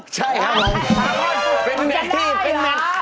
ใช่ครับ